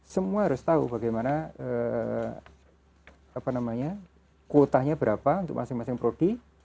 semua harus tahu bagaimana kuotanya berapa untuk masing masing prodi